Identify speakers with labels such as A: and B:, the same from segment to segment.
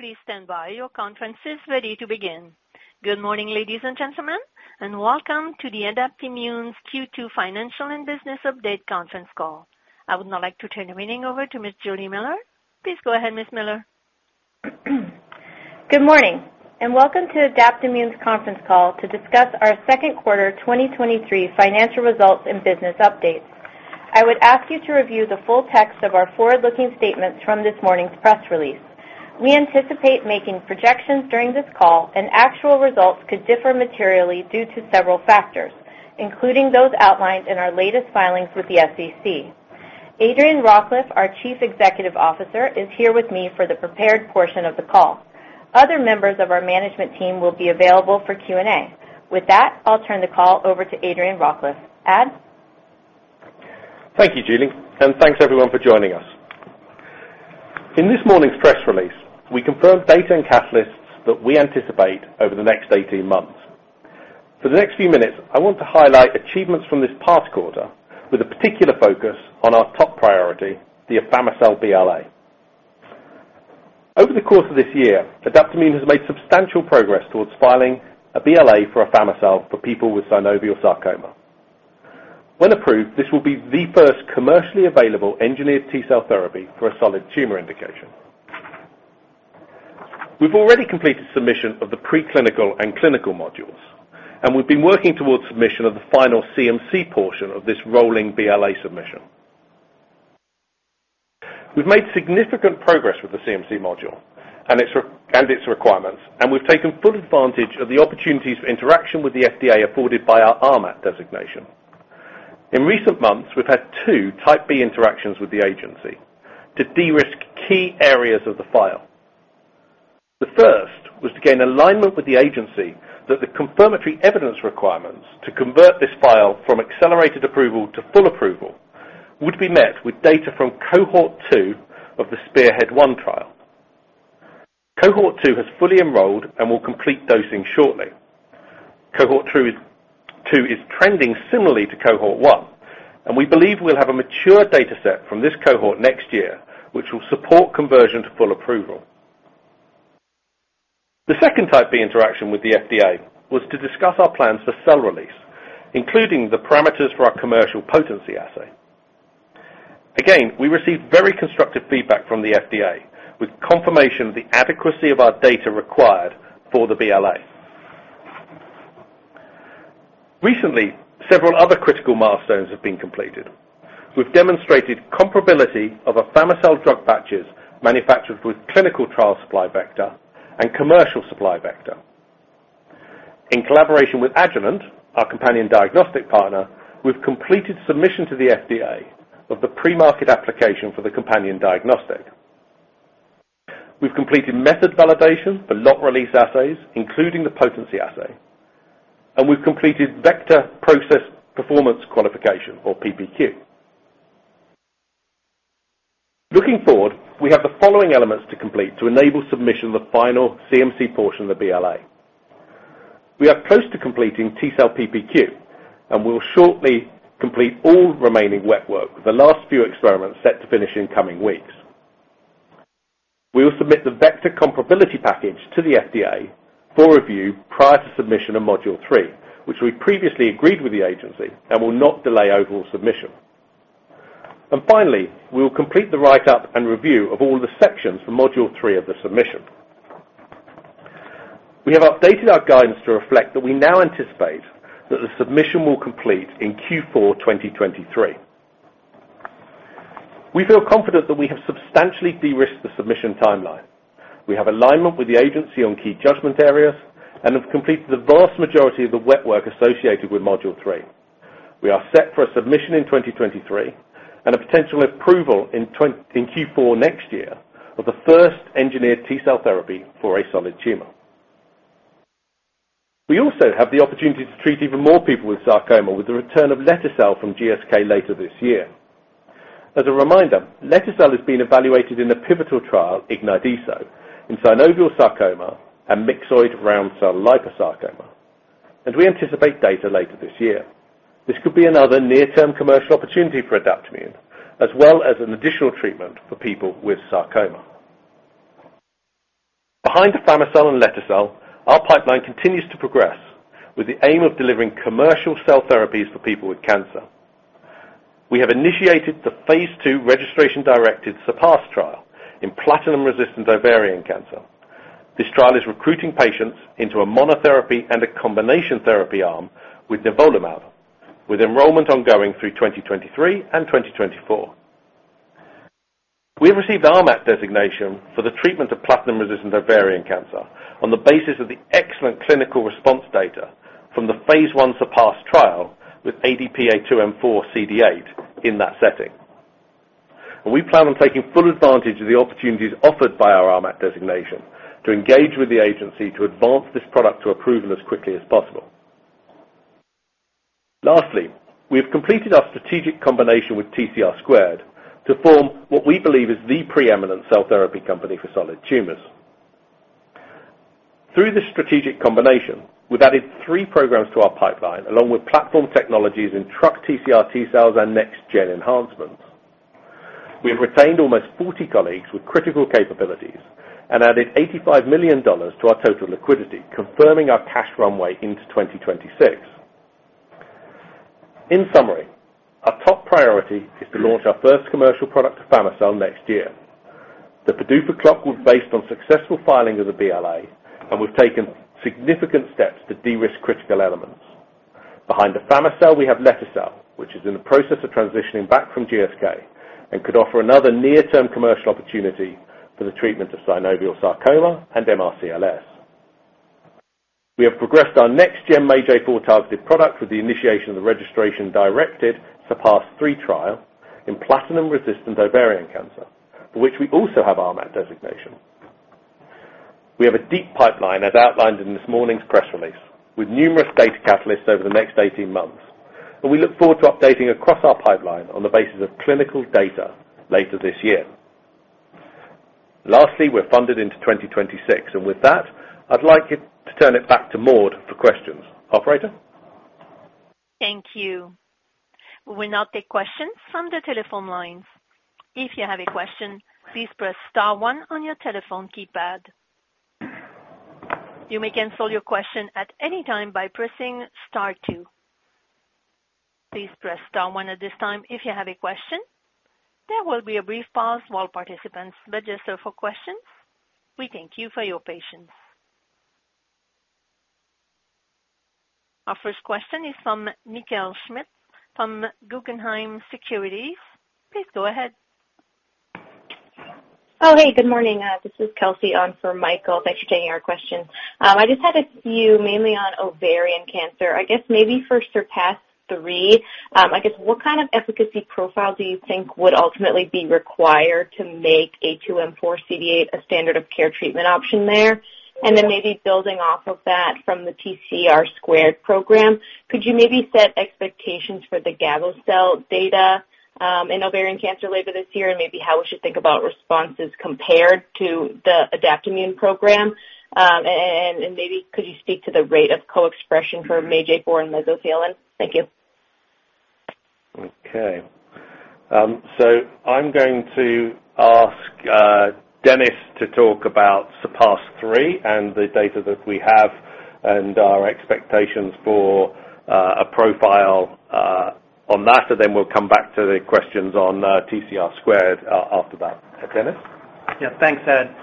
A: Please stand by. Your conference is ready to begin. Good morning, ladies and gentlemen, and welcome to Adaptimmune's Q2 Financial and Business Update conference call. I would now like to turn the meeting over to Ms. Juli Miller. Please go ahead, Ms. Miller.
B: Good morning, welcome to Adaptimmune's conference call to discuss our second quarter 2023 financial results and business updates. I would ask you to review the full text of our forward-looking statements from this morning's press release. We anticipate making projections during this call, and actual results could differ materially due to several factors, including those outlined in our latest filings with the SEC. Adrian Rawcliffe, our Chief Executive Officer, is here with me for the prepared portion of the call. Other members of our management team will be available for Q&A. With that, I'll turn the call over to Adrian Rawcliffe. Ad?
C: Thank you, Juli, thanks everyone for joining us. In this morning's press release, we confirmed data and catalysts that we anticipate over the next 18 months. For the next few minutes, I want to highlight achievements from this past quarter with a particular focus on our top priority, the Afami-cel BLA. Over the course of this year, Adaptimmune has made substantial progress towards filing a BLA for Afami-cel for people with synovial sarcoma. When approved, this will be the first commercially available engineered T-cell therapy for a solid tumor indication. We've already completed submission of the preclinical and clinical modules, and we've been working towards submission of the final CMC portion of this rolling BLA submission. We've made significant progress with the CMC module and its requirements, and we've taken full advantage of the opportunities for interaction with the FDA afforded by our RMAT designation. In recent months, we've had 2 Type B interactions with the agency to de-risk key areas of the file. The first was to gain alignment with the agency that the confirmatory evidence requirements to convert this file from accelerated approval to full approval would be met with data from cohort 2 of the SPEARHEAD-1 trial. Cohort 2 has fully enrolled and will complete dosing shortly. Cohort 2 is trending similarly to cohort 1, and we believe we'll have a mature dataset from this cohort next year, which will support conversion to full approval. The second Type B interaction with the FDA was to discuss our plans for cell release, including the parameters for our commercial potency assay. Again, we received very constructive feedback from the FDA, with confirmation of the adequacy of our data required for the BLA. Recently, several other critical milestones have been completed. We've demonstrated comparability of Afami-cel drug batches manufactured with clinical trial supply vector and commercial supply vector. In collaboration with Agilent, our companion diagnostic partner, we've completed submission to the FDA of the pre-market application for the companion diagnostic. We've completed method validation for lot release assays, including the potency assay, and we've completed vector process performance qualification, or PPQ. Looking forward, we have the following elements to complete to enable submission of the final CMC portion of the BLA. We are close to completing T-cell PPQ, and we'll shortly complete all remaining wet work, with the last few experiments set to finish in coming weeks. We will submit the vector comparability package to the FDA for review prior to submission of module three, which we previously agreed with the agency and will not delay overall submission. Finally, we will complete the write-up and review of all the sections for module 3 of the submission. We have updated our guidance to reflect that we now anticipate that the submission will complete in Q4, 2023. We feel confident that we have substantially de-risked the submission timeline. We have alignment with the agency on key judgment areas and have completed the vast majority of the wet work associated with module 3. We are set for a submission in 2023 and a potential approval in Q4 next year of the first engineered T-cell therapy for a solid tumor. We also have the opportunity to treat even more people with sarcoma with the return of lete-cel from GSK later this year. As a reminder, lete-cel has been evaluated in the pivotal trial, IGNYTE-ESO, in synovial sarcoma and myxoid round cell liposarcoma, and we anticipate data later this year. This could be another near-term commercial opportunity for Adaptimmune, as well as an additional treatment for people with sarcoma. Behind Afami-cel and lete-cel, our pipeline continues to progress with the aim of delivering commercial cell therapies for people with cancer. We have initiated the phase 2 registration-directed SURPASS trial in platinum-resistant ovarian cancer. This trial is recruiting patients into a monotherapy and a combination therapy arm with nivolumab, with enrollment ongoing through 2023 and 2024. We have received RMAT designation for the treatment of platinum-resistant ovarian cancer on the basis of the excellent clinical response data from the phase 1 SURPASS trial with ADP-A2M4CD8 in that setting. We plan on taking full advantage of the opportunities offered by our RMAT designation to engage with the agency to advance this product to approval as quickly as possible. Lastly, we have completed our strategic combination with TCR2 to form what we believe is the preeminent cell therapy company for solid tumors. Through this strategic combination, we've added three programs to our pipeline, along with platform technologies in TRuC TCR T cells and next-gen enhancements. We have retained almost 40 colleagues with critical capabilities and added $85 million to our total liquidity, confirming our cash runway into 2026. In summary, our top priority is to launch our first commercial product, Afami-cel, next year. The PDUFA clock was based on successful filing of the BLA. We've taken significant steps to de-risk critical elements. Behind the Afami-cel, we have lete-cel, which is in the process of transitioning back from GSK, and could offer another near-term commercial opportunity for the treatment of synovial sarcoma and MRCLS. We have progressed our next gen MAGE-A4 targeted product with the initiation of the registration directed SURPASS-3 trial in platinum-resistant ovarian cancer, for which we also have RMAT designation. We have a deep pipeline, as outlined in this morning's press release, with numerous data catalysts over the next 18 months, and we look forward to updating across our pipeline on the basis of clinical data later this year. Lastly, we're funded into 2026, and with that, I'd like you to turn it back to Maud for questions. Operator?
A: Thank you. We will now take questions from the telephone lines. If you have a question, please press star one on your telephone keypad. You may cancel your question at any time by pressing star two. Please press star one at this time if you have a question. There will be a brief pause while participants register for questions. We thank you for your patience. Our first question is from Michael Schmidt from Guggenheim Securities. Please go ahead.
D: Oh, hey, good morning. This is Kelsey on for Michael. Thanks for taking our question. I just had a few, mainly on ovarian cancer. I guess maybe for SURPASS-3, I guess, what kind of efficacy profile do you think would ultimately be required to make ADP-A2M4CD8 a standard of care treatment option there? Maybe building off of that from the TCR2 program, could you maybe set expectations for the gavo-cel data in ovarian cancer later this year, and maybe how we should think about responses compared to the Adaptimmune program? And maybe could you speak to the rate of co-expression for MAGE-A4 and mesothelin? Thank you.
C: Okay. I'm going to ask, Dennis to talk about SURPASS-3 and the data that we have and our expectations for, a profile, on that, and then we'll come back to the questions on, TCR2, after that. Dennis?
E: Yeah. Thanks, Ad.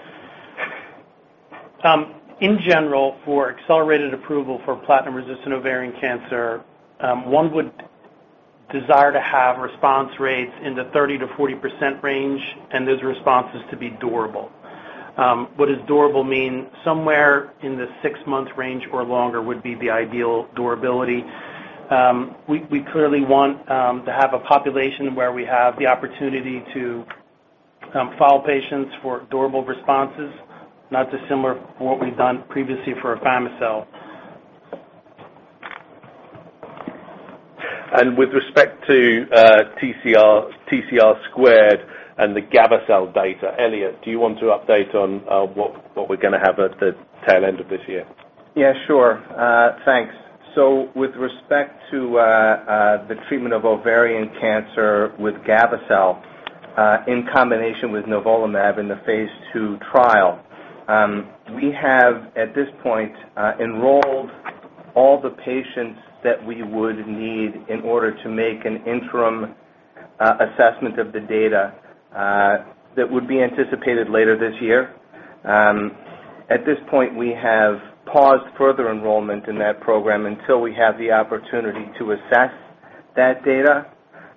E: In general, for accelerated approval for platinum-resistant ovarian cancer, one would desire to have response rates in the 30%-40% range, and those responses to be durable. What does durable mean? Somewhere in the 6-month range or longer would be the ideal durability. We, we clearly want, to have a population where we have the opportunity to, follow patients for durable responses, not dissimilar from what we've done previously for Afami-cel.
C: With respect to TCR, TCR2 and the gavo-cel data, Elliot, do you want to update on what, what we're gonna have at the tail end of this year?
E: Yeah, sure. Thanks. With respect to the treatment of ovarian cancer with gavo-cel, in combination with nivolumab in the phase 2 trial, we have, at this point, enrolled all the patients that we would need in order to make an interim assessment of the data that would be anticipated later this year. At this point, we have paused further enrollment in that program until we have the opportunity to assess that data.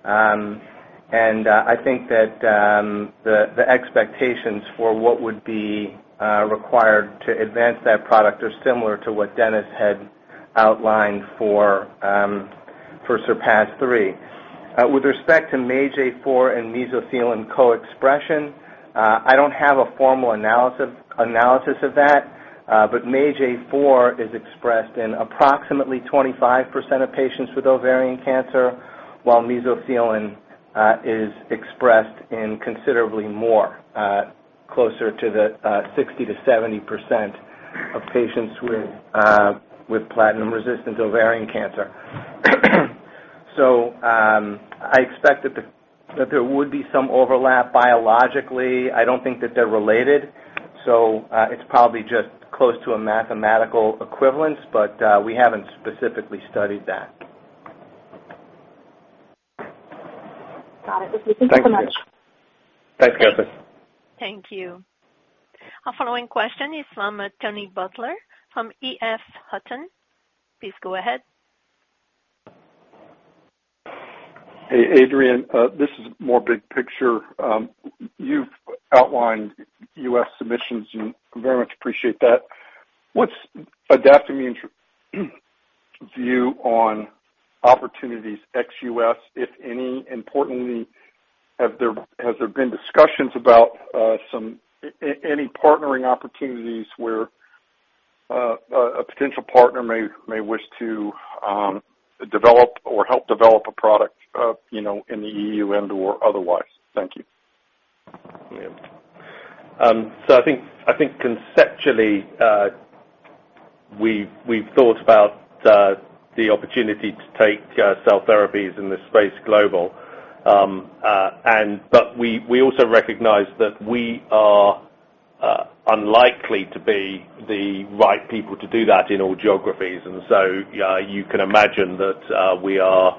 E: I think that the expectations for what would be required to advance that product are similar to what Dennis had outlined for SURPASS-3. With respect to MAGE-A4 and mesothelin co-expression, I don't have a formal analysis, analysis of that, but MAGE-A4 is expressed in approximately 25% of patients with ovarian cancer, while mesothelin is expressed in considerably more, closer to the 60%-70% of patients with platinum-resistant ovarian cancer. I expect that the, that there would be some overlap biologically. I don't think that they're related, it's probably just close to a mathematical equivalence, but we haven't specifically studied that.
D: Got it. Thank you so much.
E: Thanks, Kelsey.
A: Thank you. Our following question is from Tony Butler from EF Hutton. Please go ahead.
F: Hey, Adrian, this is more big picture. You've outlined U.S. submissions, and we very much appreciate that. What's Adaptimmune's view on opportunities ex-U.S., if any? Importantly, has there been discussions about any partnering opportunities where a potential partner may wish to develop or help develop a product, you know, in the EU and/or otherwise? Thank you.
C: I think, I think conceptually, we've, we've thought about the opportunity to take cell therapies in this space global. We, we also recognize that we are unlikely to be the right people to do that in all geographies. You can imagine that we are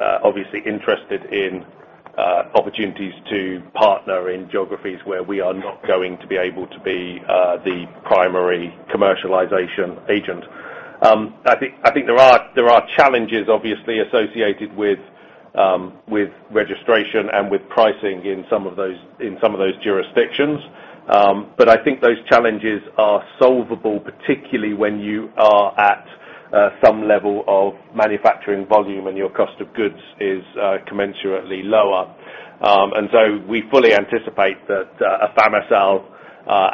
C: obviously interested in opportunities to partner in geographies where we are not going to be able to be the primary commercialization agent. I think, I think there are, there are challenges obviously associated with registration and with pricing in some of those, in some of those jurisdictions. I think those challenges are solvable, particularly when you are at some level of manufacturing volume and your cost of goods is commensurately lower. So we fully anticipate that Afami-cel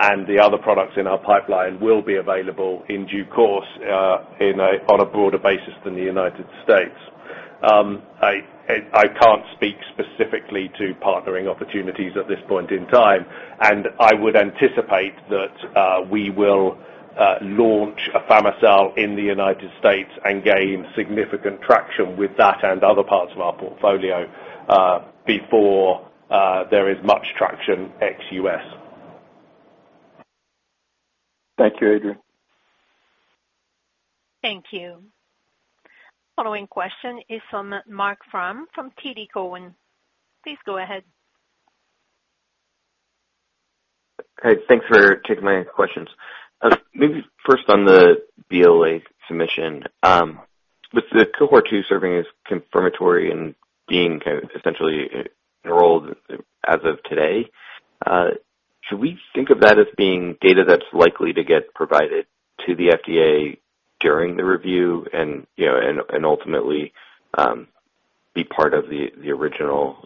C: and the other products in our pipeline will be available in due course in a, on a broader basis than the United States. I, I can't speak specifically to partnering opportunities at this point in time, and I would anticipate that we will launch Afami-cel in the United States and gain significant traction with that and other parts of our portfolio before there is much traction ex-US.
F: Thank you, Adrian.
A: Thank you. Following question is from Marc Frahm, from TD Cowen. Please go ahead.
G: Hey, thanks for taking my questions. Maybe first on the BLA submission. With the cohort 2 serving as confirmatory and being kind of essentially enrolled as of today, should we think of that as being data that's likely to get provided to the FDA during the review and, you know, and ultimately, be part of the original,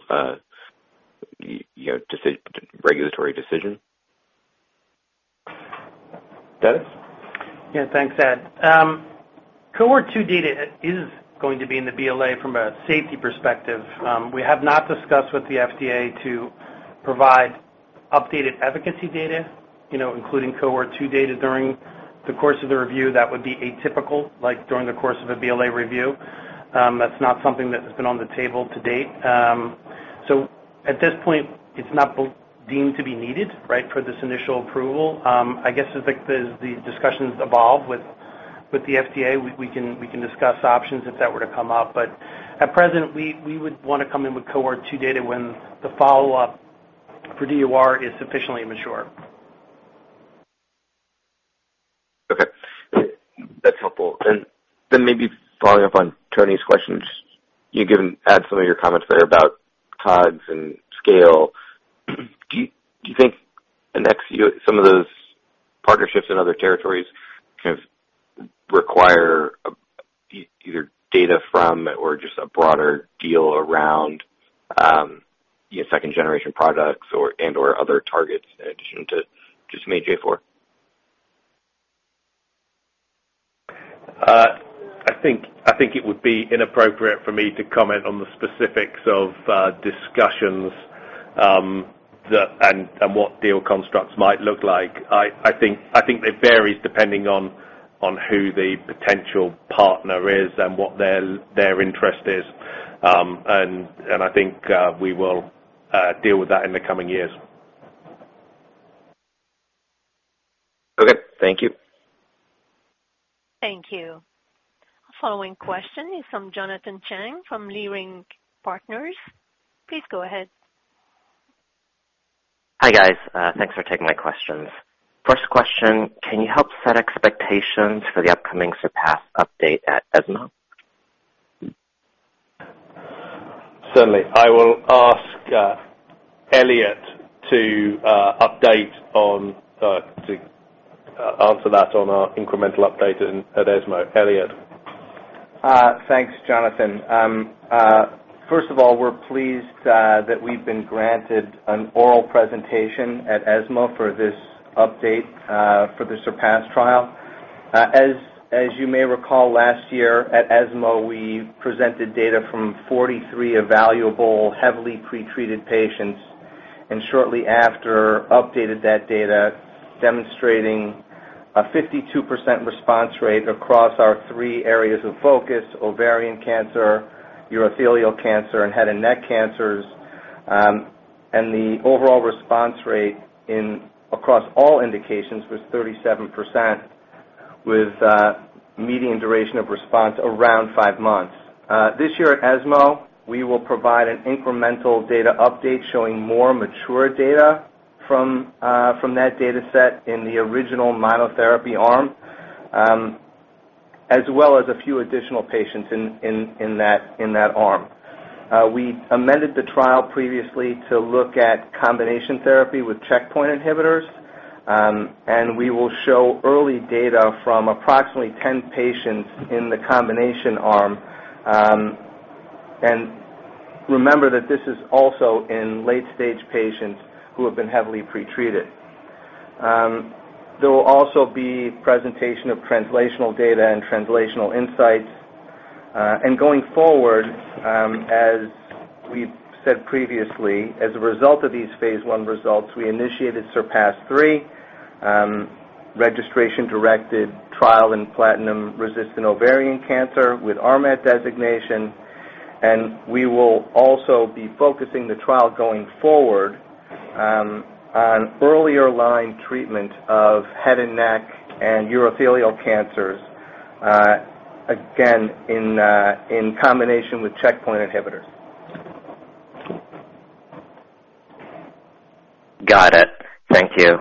G: you know, regulatory decision?
C: Dennis?
E: Yeah, thanks, Ad. Cohort 2 data is going to be in the BLA from a safety perspective. We have not discussed with the FDA to provide updated efficacy data, you know, including cohort 2 data during the course of the review. That would be atypical, like, during the course of a BLA review. That's not something that has been on the table to date. So at this point, it's not deemed to be needed, right, for this initial approval. I guess as like the, the discussions evolve with, with the FDA, we, we can, we can discuss options if that were to come up. At present, we, we would wanna come in with cohort 2 data when the follow-up for DOR is sufficiently mature.
G: Okay. That's helpful. Then maybe following up on Tony's questions, you gave and add some of your comments there about COGS and scale. Do you, do you think in ex-US, some of those partnerships in other territories kind of require either data from or just a broader deal around, you know, second-generation products or, and/or other targets in addition to just MAGE-A4?
C: I think, I think it would be inappropriate for me to comment on the specifics of discussions, and what deal constructs might look like. I, I think, I think it varies depending on, on who the potential partner is and what their, their interest is. I think, we will deal with that in the coming years.
G: Okay, thank you.
A: Thank you. Following question is from Jonathan Chang, from Leerink Partners. Please go ahead.
H: Hi, guys. Thanks for taking my questions. First question, can you help set expectations for the upcoming SURPASS update at ESMO?
C: Certainly. I will ask, Elliot to update on to answer that on our incremental update at ESMO. Elliot?
I: Thanks, Jonathan. First of all, we're pleased that we've been granted an oral presentation at ESMO for this update for the SURPASS trial. As you may recall, last year at ESMO, we presented data from 43 evaluable, heavily pretreated patients, and shortly after, updated that data, demonstrating a 52% response rate across our 3 areas of focus: ovarian cancer, urothelial cancer, and head and neck cancers. The overall response rate in, across all indications was 37%, with median duration of response around 5 months. This year at ESMO, we will provide an incremental data update showing more mature data from that dataset in the original monotherapy arm, as well as a few additional patients in, in, in that, in that arm. We amended the trial previously to look at combination therapy with checkpoint inhibitors, and we will show early data from approximately 10 patients in the combination arm. Remember that this is also in late-stage patients who have been heavily pretreated.... There will also be presentation of translational data and translational insights. Going forward, as we've said previously, as a result of these phase I results, we initiated SURPASS-3, registration-directed trial in platinum-resistant ovarian cancer with RMAT designation. We will also be focusing the trial going forward, on earlier line treatment of head and neck and urothelial cancers, again, in combination with checkpoint inhibitors.
H: Got it. Thank you.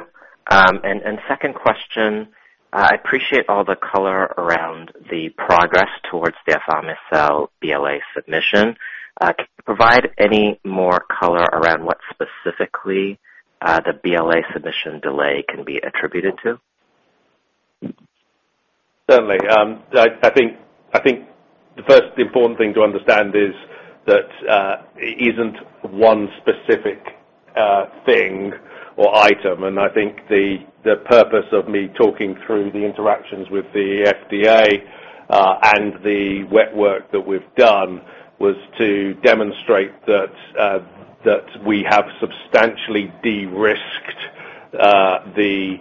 H: Second question. I appreciate all the color around the progress towards the Afami-cel BLA submission. Can you provide any more color around what specifically, the BLA submission delay can be attributed to?
C: Certainly. I, I think, I think the first important thing to understand is that it isn't one specific thing or item. I think the, the purpose of me talking through the interactions with the FDA and the wet work that we've done, was to demonstrate that we have substantially de-risked the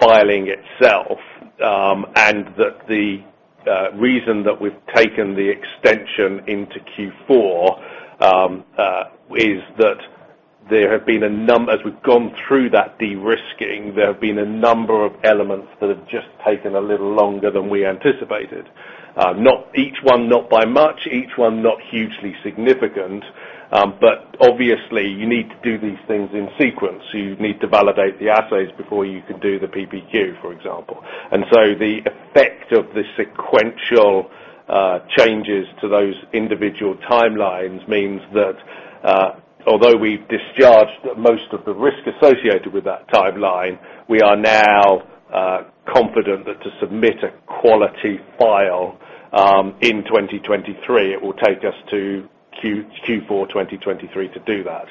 C: filing itself. That the reason that we've taken the extension into Q4 is that there have been a num- as we've gone through that de-risking, there have been a number of elements that have just taken a little longer than we anticipated. Not ... Each one, not by much, each one, not hugely significant, but obviously you need to do these things in sequence. You need to validate the assays before you can do the PPQ, for example. The effect of the sequential changes to those individual timelines means that, although we've discharged most of the risk associated with that timeline, we are now confident that to submit a quality file in 2023, it will take us to Q4 2023 to do that.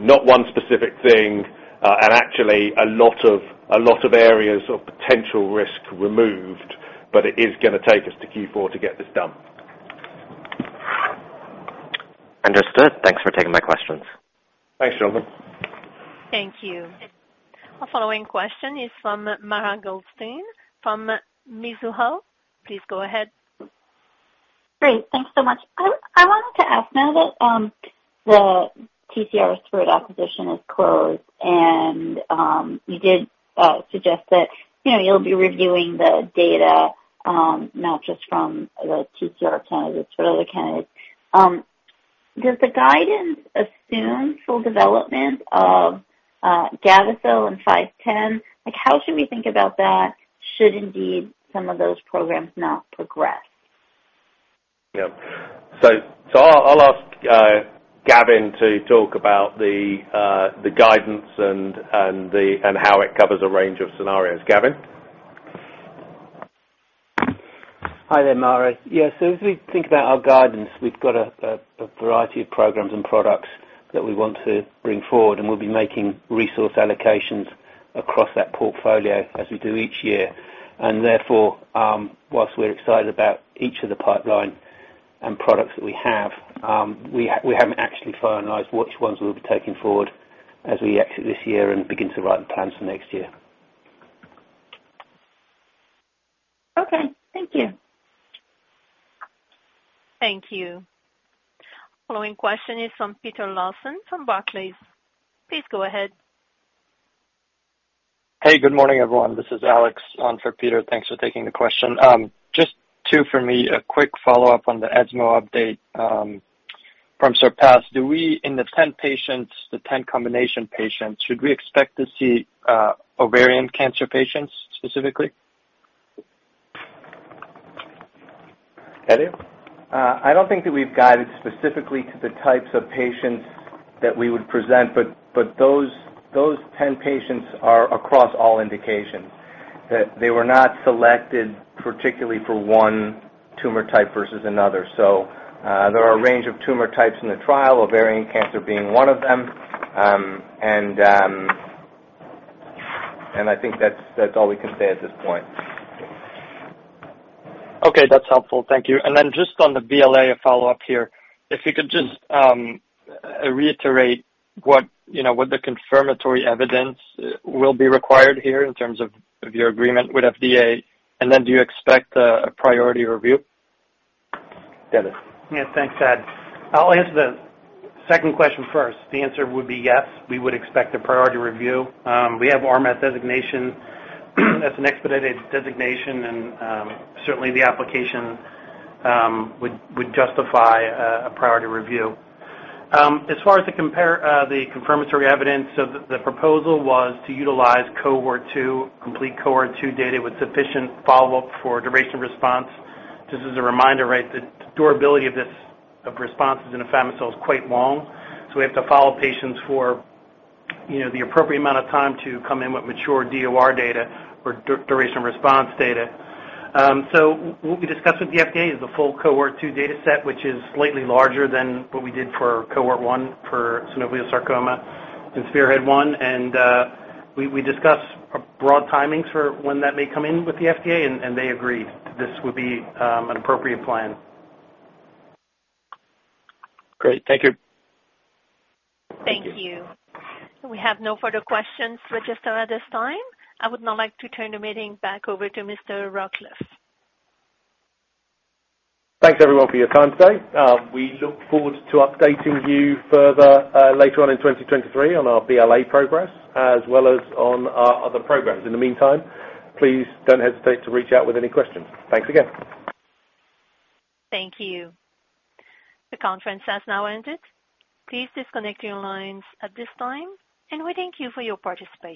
C: Not one specific thing, and actually a lot of, a lot of areas of potential risk removed, but it is gonna take us to Q4 to get this done.
H: Understood. Thanks for taking my questions.
C: Thanks, Jonathan.
A: Thank you. Our following question is from Mara Goldstein from Mizuho. Please go ahead.
J: Great, thanks so much. I wanted to ask, now that the TCR2 acquisition is closed, and you did suggest that, you know, you'll be reviewing the data, not just from the TCR candidates, but other candidates. Does the guidance assume full development of gavo-cel and TC-510? Like, how should we think about that, should indeed some of those programs not progress?
C: Yep. So I'll, I'll ask Gavin to talk about the guidance and, and the, and how it covers a range of scenarios. Gavin?
K: Hi there, Mara. Yeah, as we think about our guidance, we've got a variety of programs and products that we want to bring forward, and we'll be making resource allocations across that portfolio as we do each year. Therefore, while we're excited about each of the pipeline and products that we have, we haven't actually finalized which ones we'll be taking forward as we exit this year and begin to write the plans for next year.
J: Okay, thank you.
A: Thank you. Following question is from Peter Lawson, from Barclays. Please go ahead. Hey, good morning, everyone. This is Alex on for Peter. Thanks for taking the question. Just two for me. A quick follow-up on the ESMO update from SURPASS. Do we, in the 10 patients, the 10 combination patients, should we expect to see ovarian cancer patients specifically?
C: Eddie?
K: I don't think that we've guided specifically to the types of patients that we would present, but, but those, those 10 patients are across all indications. That they were not selected, particularly for one tumor type versus another. There are a range of tumor types in the trial, ovarian cancer being one of them. I think that's, that's all we can say at this point.
L: Okay, that's helpful. Thank you. Just on the BLA, a follow-up here. If you could just reiterate what, you know, what the confirmatory evidence will be required here in terms of, of your agreement with FDA, and then do you expect a, a priority review?
C: Get it.
E: Yeah. Thanks, Ad. I'll answer the second question first. The answer would be yes, we would expect a priority review. We have RMAT designation. That's an expedited designation, and certainly the application would justify a priority review. As far as the compare- the confirmatory evidence, the proposal was to utilize cohort 2, complete cohort 2 data with sufficient follow-up for duration response. Just as a reminder, right, the durability of this, of responses in Afami-cel is quite long, so we have to follow patients for, you know, the appropriate amount of time to come in with mature DOR data or duration response data. We'll be discussing with the FDA is the full cohort 2 data set, which is slightly larger than what we did for cohort 1, for synovial sarcoma in SPEARHEAD-1. We, we discussed a broad timings for when that may come in with the FDA, and, and they agreed this would be an appropriate plan.
M: Great, thank you.
A: Thank you. We have no further questions with us at this time. I would now like to turn the meeting back over to Mr. Rawcliffe.
C: Thanks, everyone, for your time today. We look forward to updating you further, later on in 2023 on our BLA progress, as well as on our other programs. In the meantime, please don't hesitate to reach out with any questions. Thanks again.
A: Thank you. The conference has now ended. Please disconnect your lines at this time, and we thank you for your participation.